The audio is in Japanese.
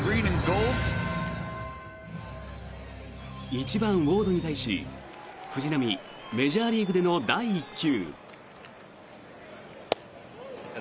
１番、ウォードに対し藤浪メジャーリーグでの第１球。